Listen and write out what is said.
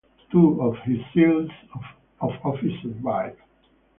Two of his seals of office survive.